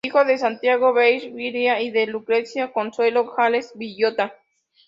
Hijo de Santiago Bell Silva y de Lucrecia Consuelo Jaras Villota.